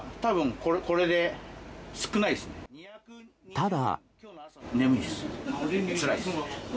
ただ。